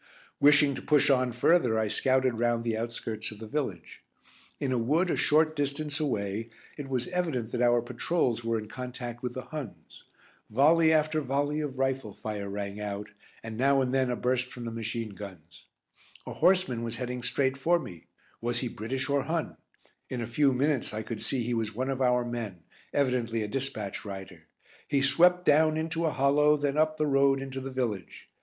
Wishing to push on further I scouted round the outskirts of the village. In a wood a short distance away it was evident that our patrols were in contact with the Huns. Volley after volley of rifle fire rang out, and now and then a burst from the machine guns. A horseman was heading straight for me. Was he British or Hun? In a few minutes I could see he was one of our men evidently a dispatch rider. He swept down into a hollow, then up the road into the village.